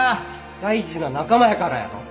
大事な仲間やからやろ！